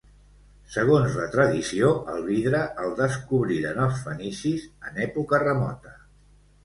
Segons la tradició, el vidre el descobriren els fenicis en època remota.